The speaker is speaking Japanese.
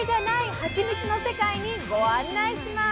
ハチミツの世界にご案内します！